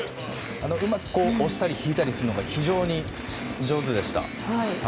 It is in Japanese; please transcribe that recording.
うまく押したり引いたりするのが非常に上手でした。